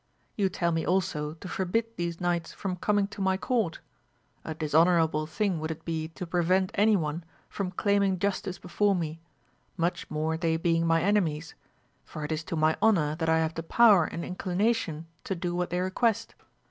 You tell me also to forbid these knights from coming to my court ; a dishonourable thing would it be to pre vent any one from claiming justice before me, much more they being my enemies, for it is to my honour that I have the power and inclination to do what they request.